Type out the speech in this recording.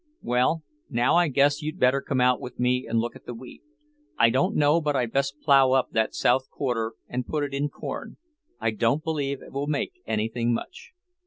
"Well, now I guess you'd better come out with me and look at the wheat. I don't know but I'd best plough up that south quarter and put it in corn. I don't believe it will make anything much."